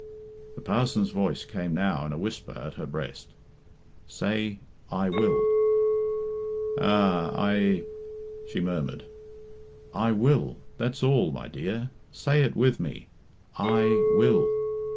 The parson's voice came now in a whisper at her breast "Say, 'I will.'" "Ah I," she murmured. "I will! That's all, my dear. Say it with me, 'I will.'"